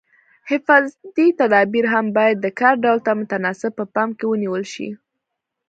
حفاظتي تدابیر هم باید د کار ډول ته متناسب په پام کې ونیول شي.